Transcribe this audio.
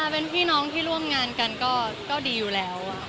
เป็นพี่น้องที่ร่วมงานกันก็ดีอยู่แล้ว